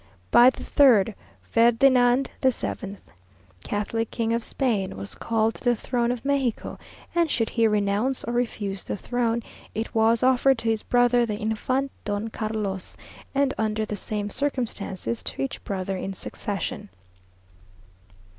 By the third, Ferdinand VII, Catholic King of Spain, was called to the throne of Mexico; and should he renounce or refuse the throne, it was offered to his brother the Infant Don Carlos, and under the same circumstances, to each brother in succession.